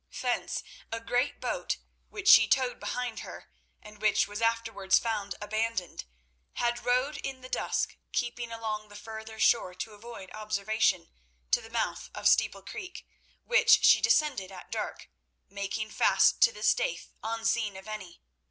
Thence a great boat, which she towed behind her, and which was afterwards found abandoned, had rowed in the dusk, keeping along the further shore to avoid observation, to the mouth of Steeple Creek, which she descended at dark, making fast to the Staithe, unseen of any.